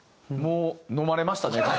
もうのまれましたね。